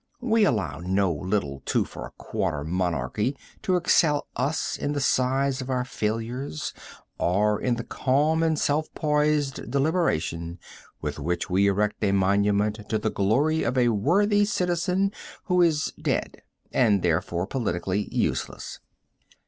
We allow no little two for a quarter monarchy to excel us in the size of our failures or in the calm and self poised deliberation with which we erect a monument to the glory of a worthy citizen who is dead, and therefore politically useless.